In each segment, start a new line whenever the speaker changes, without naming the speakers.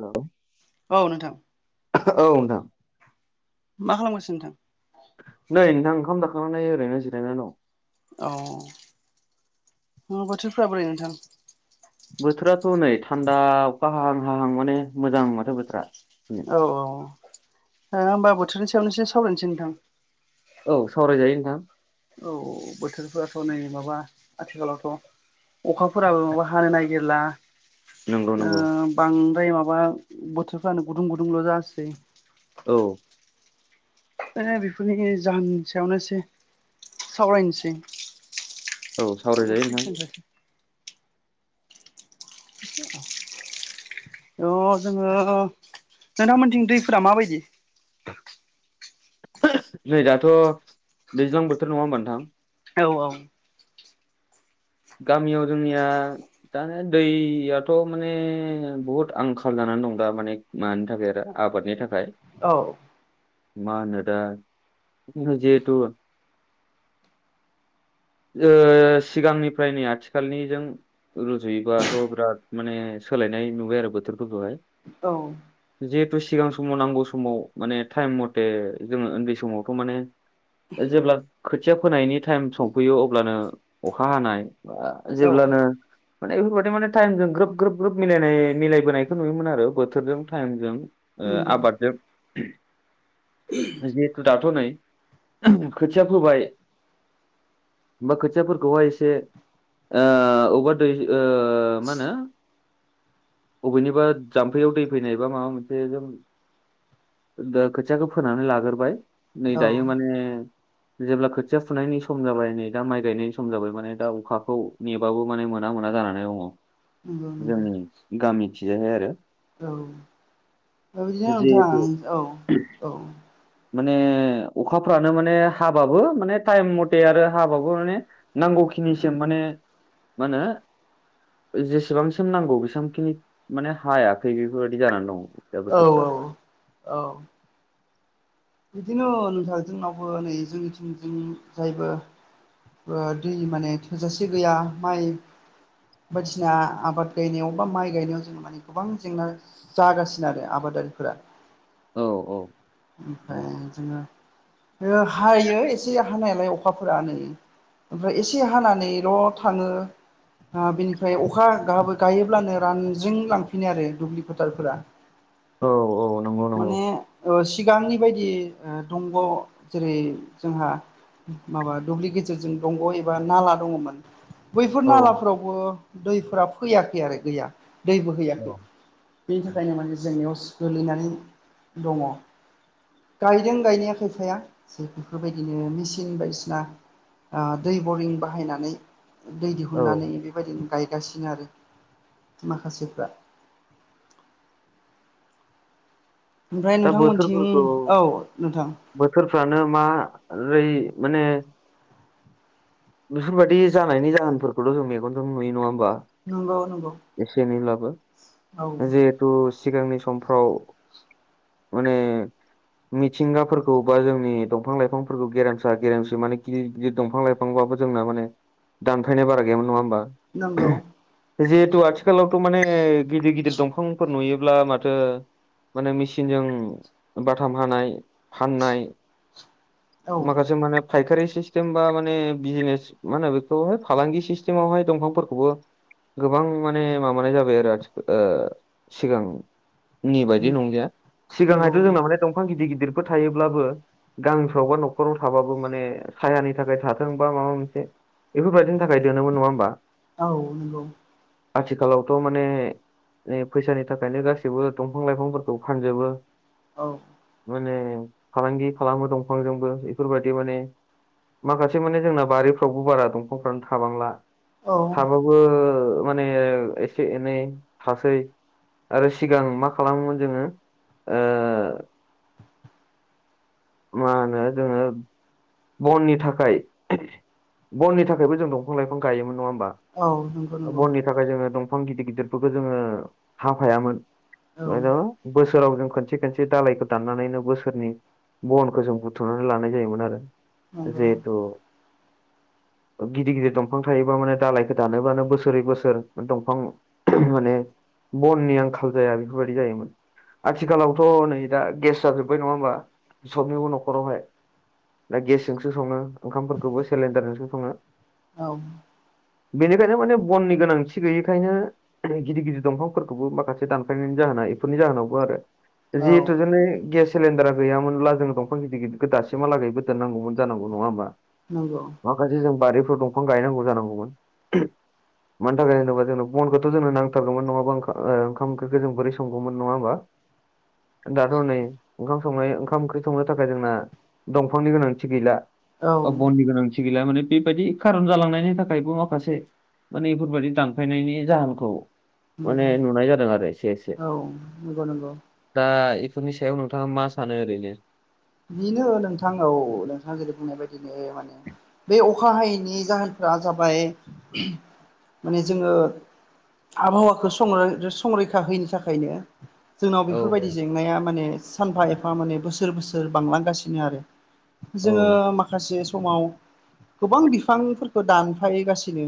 हेल'
औ नोंथां
औ नोंथां
मा खालामगासिनो नोंथां
नै नोंथां ओंखाम जाखांनानै ओरैनो जिरायनानै दं
औ न' बोथोरफोरा बोरै नोंथां
बोथोराथ' नै थान्दा अखा हाहां हाहां माने मोजां माथो बोथोरा
औ-औ ओ होमबा बोथोरनि सायावनो एसे सावरायनोसै नोंथां
औ सावरायजायो नोंथां
औ बोथोरफोराथ' नै माबा आथिखालावथ' अखाफोराबो माबा हानो नागिरला
नंगौ
ओ
नंगौ
बांद्राय माबा बोथोरफ्रानो गुदुं गुदुंल' जासै
औ
[unintelligible] बेफोरनि जाहोननि सायावनो एसे सावरायनोसै
औ सावरायजायो नोंथां
[unintelligible] औ जोङो नोंथांमोनिथिं दैफोरा माबायदि
नै दाथ' दैज्लां बोथोर नङा होमबा नोंथां
औ-औ
गामियाव जोंनिया दा नै दैयाथ' माने बहुद आंखाल जानानै दं दा माने मानि थाखाय आरो आबादनि थाखाय
औ
मा होननो दा जिहेतु ओ सिगांनिफ्राय नै आथिखालनिजों रुजुयोबाथ' बिराद माने सोलायनाय नुबाय आरो बोथोरफोरखौहाय
औ
जिहेथु सिगां समाव नांगौ समाव माने टाइम मथे जोङो उन्दै समावथ' माने जेब्ला खोथिया फोनायनि टाइम संफैयो अब्लानो अखा हानाय आ
औ
जेब्लानो माने बेफोरबायदि माने टाइमजों ग्रोब-ग्रोब-ग्रोब मिलायनाय मिलायबोनायखौ नुयोमोन आरो बोथोरजों टाइमजों ओ
नंगौ
आबादजों
[inaudible]
जिहेथु दाथ' नै खोथिया फोबाय ओमफाय खोथियाफोरखौहाय एसे ओ अबेबा दै ओ मा होनो बबेनिबा जाम्फैयाव दै फैनायबा माबा मोनसे जों दा खोथियाखौ फोनानै लाग्रोबाय नै
औ
दायो माने जेब्ला खोथिया फुनायनि सम जाबाय नै दा माइ गायनायनि सम जाबाय माने दा अखाखौ नेबाबो माने मोना मोना जानानै
नंगौ
दङ
नंगौ
जोंनि गामिखिजायहाय आरो
औ बिदिनो नोंथां
जिहेथु
औ औ।
माने अखाफ्रानो माने हाबाबो माने टाइम मथे आरो हाबाबो माने। नांगौखिनिसिम माने मा होनो जेसेबांसिम नांगौ बेसेबांखिनि माने हायाखै बेफोरबायदि जानानै दं दा
औ
बोथोरफ्रा
औ। बिदिनो नोंथां जोंनावबो नै जोंनिथिंजोंं जायबो ओ दै माने थोजासे गैया माइ बायदिसिना आबाद गायनायाव बा माइ गायनायाव जों माने गोबां जेंना जागासिनो आरो आबादारिफोरा
औ औ। औ
ओमफ्राय जोङो हायो एसे हानायालाय अखाफोरा नै ओमफ्राय एसे हानानैल' थाङो ओ बिनिफ्राय अखा गाहाबो गायोब्लानो रानजों लांफिनो आरो दुब्लि फटारफोरा
औ औ नंगौ नंगौ
माने ओ सिगांनि बायदि दंग' जेरै जोंहा। माबा दुब्लि गेेजेरजों दंग एबा नाला दङमोन। बैफोर
औ
नालाफोरावबो दैफोरा फैयाखै आरो गैया दै
औ
बोहैयाखै बेनि थाखायनो माने जोंनियाव गोलैनानै दङ गायदों गायनाया खायफाया जे बेफोरबायदिनो मेसिन बायदिसिना आ दै बरिं बाहायनानै दै
औ
दिहुननानै बेबायदिनो गायगासिनो आरो माखासेफ्रा ओमफ्राय
दा
नोंथांमोनथिं
बोथोरफोरखौ
औ नोंथां
बोथोरफ्रानो मारै माने बेफोरबायदि जानायनि जाहोनफोरखौथ जों मेगनजों नुयो नङा होमबा?
नंगौ नंगौ
एसे एनैब्लाबो
औ
जिहेथु सिगांनि समफ्राव माने मिथिंगाफोरखौ बा जोंनि दंफां लाइफांफोरखौ गेरेमसा गेरेमसा माने गिदिर गिदिर दंफां लाइफां फांबाबो जोंना माने दानफाय बारा गैयामोन नङा होमबा
नंगौ
जिहेथु आथिखालावथ माने गिदिर गिदिर दंफांफोर नुयोब्ला माथो माने मेसिनजों बाथाम हानाय फाननाय
औ
माखासे माने फायखारि सिस्टेम बा माने बिजिनेस मा होनो बेखौहाय फालांगि सिस्टेमावहाय दंफांफोरखौबो गोबां माने माबानाय जाबाय आरो आथिखाल सिगां नि बायदि नंलिया
नंगौ
सिगांहायथ जोंना माने दंफां गिदिर गिदिरफोर थायोब्लाबो गामिफोरावबा न'खराव थाबाबो माने सायानि थाखाय थाथों बा माबा मोनसे बेफोरबायदिनि थाखाय दोनोमोन नङा होनोमबा
औ नंगौ
आथिखालावथ माने फैसानि थाखायनो गासैबो दंफां लाइफांफोरखौ फानजोबो
औ
माने फालांगि खालामो दंफांजोंबो बेफोरबायदि माने माखासे माने जोंना बारिफ्रावबो बारा दंफांफ्रानो थाबांला
औ
थाबाबो मान एसे हासै आरो सिगां मा खालामोमोन जोङो ओ मा होनो जोङो बननि थाखाय बननि थाखायबो जों दंफां लाइफां गायोमोन नङा होमबा
औ नंगौ नंगौ
बननि थाखाय जोङो दंफां गिदिर गिदिरफोरखौ जोङो हाफायामोन
औ
[unintelligible] बोसोराव जों खनसे खनसे दाालायखौ दाननानैनो बोसोरनि बनखौ जों बुथुमनानै लानाय जायोमोन आरो
नंगौ
जिहेथु
[inaudible]
गिदिर गिदिर दंफां थायोबा माने दालायखौ दानोबानो बोसोरै बोसोर दंफां माने बननि आंखाल जाया बेफोरबायदि जायोमोन आथिखालावथ नै दा गेस जाजोब्बाय नङा होमबा सबनिबो न'खरावहाय दा गेसजोंसो सङो ओंखामफोरखौबो सिलेन्डारजों सङो
औ नंगौ औ
बेनिखायनो माने बननि गोनांथि गैयैखायनो गिदिर गिदिर दंफांफोरखौबो माखासे दानखायनायनि जाहोना इफोरनि जाहोनावबो आरो जिहेतु जोंनो गेस सिलिडारा गैयामोनब्ला जों दंफां गिद गिदिर दासिमहालागैबो दोननांगौ जानांगौ नङा होमबा
नंगौ
माखासे जों बारिफोर दंफां गायनांगौ जानांगौमोन मानो थाखाय होनोबा जोंनो बनखौथ जोंनो नथारगौमोन नङाबा ओं ओखाम ओख्रिखौ जों बोरैं संगौमोन नङा होमबा
[inaudible]
दाथ' नै ओंखाम संनाय ओंखाम ओंख्रि संनो थाखाय जोंना दंफांनि गोनांथि गैला बननि गोनांथि गैला माने बेबायदि खारन जालांनायनि थाखायबो माखासे माने बेफोरबायदि दानफायनायनि जाहोनखौ माने
नंगौ
नुनाय जादों आरो एसे एसे
औ नंगौ नंगौ
दा इफोरनि सायाव नोंथाङा मा सानो ओरैनो
बेनो नोंथां औ नोंथाङा जेरैबादि बुंनाय बायदिनो माने बे अखा हायैनि जाहोनफोरा जाबाय माने जोङो आबहावाखौ सं संरैखा होनि थाखायनो जोंनाव
औ
बेफोरबायदि जेंनाया माने सानफा एफा माने बोसोर बोसोर बांलांगासिनो आरो जोङो
औ
माखासे समाव गोबां बिफांफोरखौ दानफायगासिनो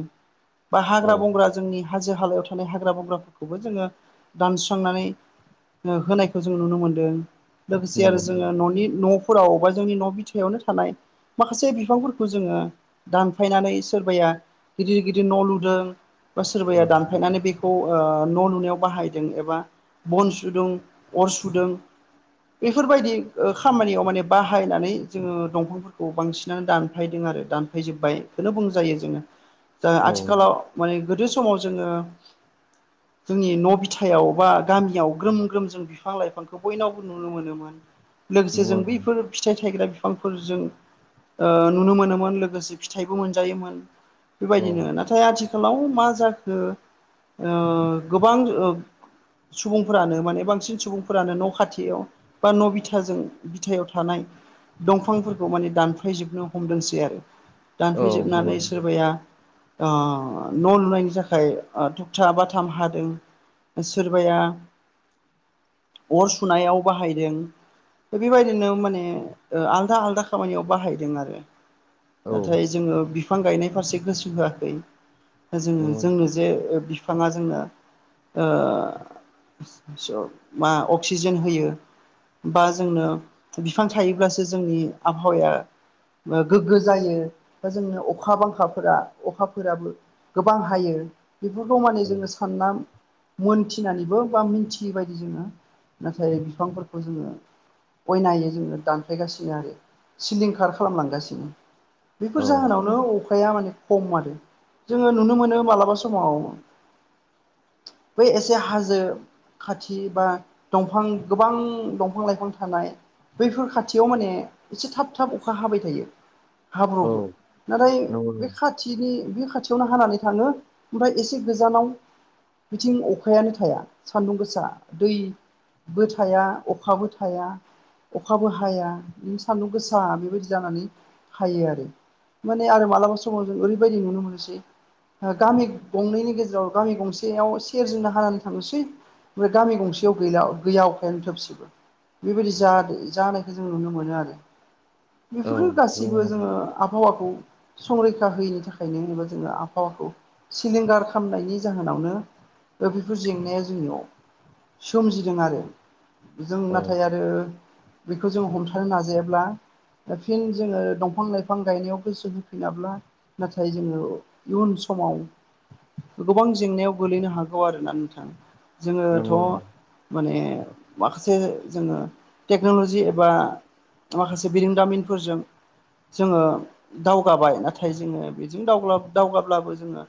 बा
औ
हाग्रा बंग्रा जोंनि हाजो हालायाव थानाय हाग्रा बंग्राफोरखौबो जोङो दानस्रांनानै होनायखौ जों नुनो मोनदों लोगोसे आरो जोङो न'नि न'फोराव बा जोंनि न' बिथायावनो थानाय माखासे बिफांफोरखौ जोङो दानफायनानै सोरबाया गिदिर गिदिर न' लुदों बा सोरबाया दानफायनानै बेखौ खौ न' लुनायाव बाहायदों एबा बन सुदों अर सुदों बेफोरबायदि खामानियाव माने बाहायनानै जोङो दंफांफोरखौ बांसिनानो दानफायदों आरो दानफायजोब्बाय बेखौनो बुंजायो जोङो दा
औ
आथिखालाव माने गोदो समाव जोङो जोंनि न' बिथायाव बा गामियाव ग्रोम ग्रोम जों बिफां लाइफांखौ बयनावबो नुनो मोनोमोन लोगोसे जों
नंगौ नंगौ
बैफोर फिथाइ थायग्रा बिफांफोरजों नुनो मोनोमोन लोगोसे फिथाइबो मोनजायोमोन बेबायदिनो
औ
नाथाय आथिखालाव मा जाखो गोबां सुबुंफोरानो माने बांसिन सुबुंफोरानो न' खाथियाव बा न' बिथा थाजों बिथायाव थानाय दंफांफोरखौ माने दानफायजोबनो हमदोंसै आरो
औ नंगौ
दानफायजोबनानै सोरबाया न' लुनायनि थाखाय थबथा बाथाम हादों सोरबाया अर सुनायाव बाहायदों बेबायदिनो माने आलदा आलदा खामानियाव बाहायदों आरो नाथाय जोङो बिफां गायनाय फारसे गोसो होआखै दा जोङो
नंगौ
जों जे बिफाङा जोंना मा अक्सिजेन होयो बा जोंनो बिफां थायोब्लासो जोंनि आबहावाया गोग्गो जायो बा जोंनो अखा बांखाफोरा अखाफोराबो गोबां हायो बेफोरखौ माने जोङो सानना मोनथिनानैबो बा मिनथियै बादि जोङो नाथाय बिफांफोरखौ जोङो अयनायै जोङो दानफ्लायगासिनो आरो सिलिंखार खालामलांगासिनो बेफोर
औ औ नंगौ औ नंगौ औ
जाहोनावनो अखाया माने खम आरो जोङो नुनो मोनो मालाबा समाव बै एसे हाजो खाथि बा दंफां गोबां दंफां बिफां लाइफां थानाय बैफोर खाथियाव माने एसे थाब थाब अखा हाबाय थायो
औ
हाब्रबो
औ
नाथाय
नंगौ
बे खाथि खाथिनि बे खाथियावनो हानानै थाङो ओमफ्राय एसे गोजानाव बिथिं अखायानो थाया सान्दुं गोसा दैबो थाया अखा अखाबो थाया अखाबो हाया सान्दुं गोसा बेबायदि जानानै हायो आरो माने आरो मालाबा समाव जों ओरैबायदि नुनो मोनोसै गामि गंनैनि गेजेराव गामि गंसेयाव सेरजोंनो हानानै थांनोसै ओमफ्राय गामि गंसेयाव गैला गैया अखायानो थोबसेबो बेबायदि जानायखौ जों नुनो मोनो आरो
औ
बेफोरनो
नंगौ
गासैबो
नंगौ
जोङो आबौ आखौ संरैखा होयिनि थाखायनो होनोबा जोङो आब'हावाखौ सिलिंगार खालामामनायनि जाहोनावनो दा बेफोर जेंनाया जोंनियाव सोमजिदों आरो जों
औ
नाथाय आरो बेखौ जों हमथानो नाजायाब्ला दा फिन जोङो दंफां लाइफां गायनायाव गोसो होफिनाब्ला नाथाय जोङो इयुन समाव गोबां जेंनायाव गोलैनो हागौ आरोना नोंथां जोङोथ'
नंगौ
माने माखासे जोङो टेक्न'लजि एबा माखासे बिरोंदामिनफोरजों जोङो दावगाबाय नाथाय जोङो बेजों दावगाब्लाबो जोङो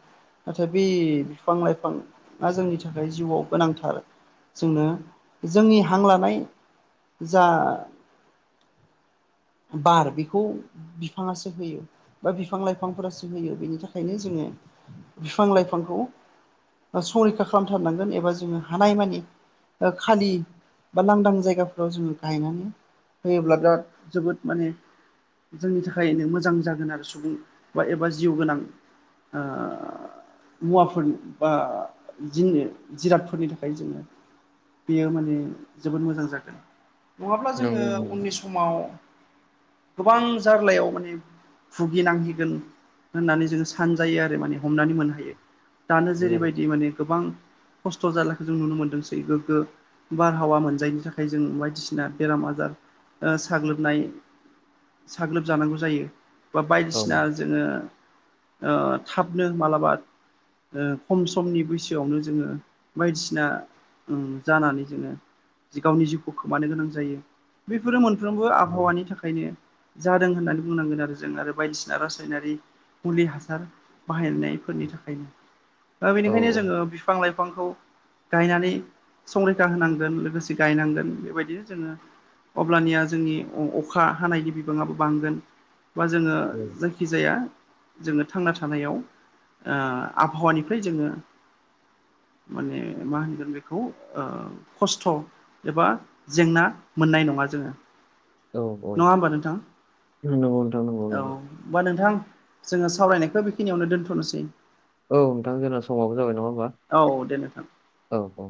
नाथाय बि बिफां लाइफाङा जोंनि थाखाय जिउआव गोनांथार जोंनो जोंनि हां लानाय जा बार बेखौ बिफाङासो होयो बा बिफां लाइफांफोरासो होयो बेनि थाखायनो जोङो बिफां लाइफांखौ संरैखा खालामथारनांगोन एबा जोङो हानायमानि खालि बा लांदां जायगाफोराव जोङो गायनानै होयोब्ला दा जोबोद माने जोंनि थाखायनो मोजां जागोन आरो सुबुं बा एबा जिउ गोनां ओ मुवाफोरनि बा जिनो जिरादफोरनि थाखाय जोङो बेयो माने जोबोद मोजां जागोन नङाब्ला जोङो
नंगौ नंगौ
उननि समाव गोबां जार्लायाव माने भुगिनांहैगोन होननानै जोङो सानजायो आरो माने हमनानै मोननो हायो दानो
माने
जेरैबायदि माने गोबां खस्थ' जालाखौ जों नुनो मोनदोंसैबो बारहावा मोनजायनि थाखाय जों बायदिसिना बेराम आजार साग्लोबनाय साग्लोबजानांगौ जायो बा
औ
बायदिसिना जोङो थाबनो मालाबा खम समनि बैसोआवनो जोङो बायदिसिना जानानै जोङो गावनि जिउखौ खोमानो गोनां जायो बेफोरो मोनफ्रोमबो आबहावानि थाखाय ओंखायनो जादों होननानै बुंनांगोन आरो जों आरो बायदिसिना रासायनारि मुलि हासार बाहायनायफोरनि थाखायनो दा बेनिखायनो
औ
जोङो बिफां लाइफांखौ गायनानै संरैखा होनांगोन लोगोसे गायनांगोन बेबायदिनो जोङो अब्लानिया जोंनि अखा हानायनि बिबाङाबो बांगोन बा जोङो जायखि जखिजाया जोङो थांना थानायाव आबहावानिफ्राय जोङो माने मा होनगोन बे खौ खस्थ' एबा जेंना मोननाय नङा जोङो
औ औ
नङा होमबा नोंथां
नंगौ नोंथां नंगौ
औ
नंगौ
होमबा नोंथां जोङो सावरायनायखौ बेखिनियावनो दोनथ'नोसै
औ नोंथां जोंना समाबो जाबाय नङा होनबा
औ दे नोंथां
औ औ